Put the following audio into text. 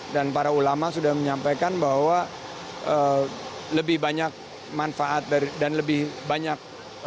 dan para ulama sudah menyampaikan bahwa lebih banyak manfaat dan lebih banyak